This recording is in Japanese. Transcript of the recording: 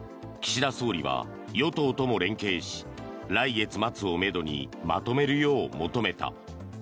岸田総理は、与党とも連携し来月末をめどにまとめるよう求めた。